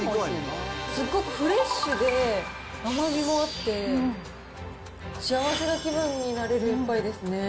すっごくフレッシュで、甘みもあって、幸せな気分になれる一杯ですね。